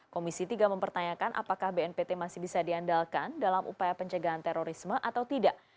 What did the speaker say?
komisi tiga mempertanyakan apakah bnpt masih bisa diandalkan dalam upaya pencegahan terorisme atau tidak